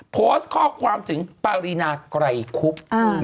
โพสต์ข้อความถึงปารีนาไกรคุบ